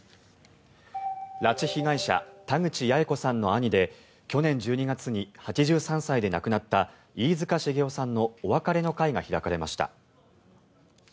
拉致被害者田口八重子さんの兄で去年１２月に８３歳で亡くなった飯塚繁雄さんのお別れの会が開かれました。